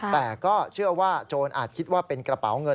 แต่ก็เชื่อว่าโจรอาจคิดว่าเป็นกระเป๋าเงิน